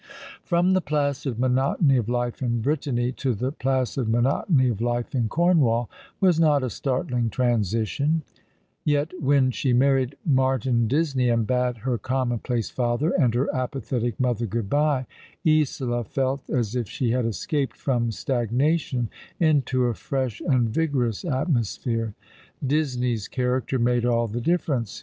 From the placid monotony of life in Brittany to the placid 'monotony of life in Cornwall, was not a startling transition ; yet when she married Martin Disney, and bade her commonplace father and her apathetic mother good byo, Isola felt as if she had escaped from stagnation into a fresh and vigorous atmosphere. Disney's character made all the difference.